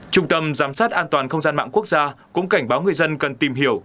trung tâm giám sát an toàn không gian mạng quốc gia cũng cảnh báo người dân cần tìm hiểu